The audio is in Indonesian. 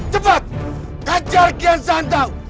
cepat hajar kian santang